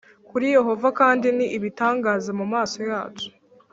Kuri yehova kandi ni ibitangaza mu maso yacu